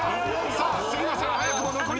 さあ杉野さん早くも残り２枚。